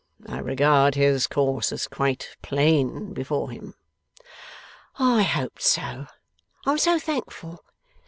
I regard his course as quite plain before him.' 'I hoped so. I am so thankful.